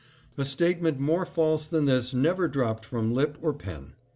A statement more false than this never dropped from lip or pen.